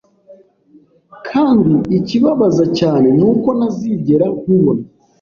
Kandi ikibabaza cyane nuko ntazigera nkubona